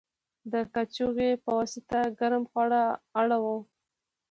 د کاچوغې په واسطه ګرم خواړه اړوو.